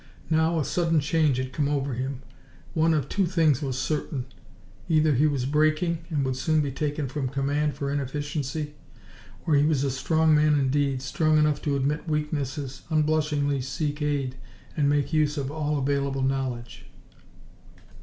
Now a sudden change had come over him. One of two things was certain: either he was breaking, and would soon be taken from command for inefficiency; or he was a strong man indeed, strong enough to admit weaknesses, unblushingly seek aid, and make use of all available knowledge.